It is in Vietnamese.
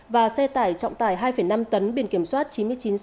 và xe tải trọng tải hai năm tấn biển kiểm soát chín mươi chín c một trăm một mươi sáu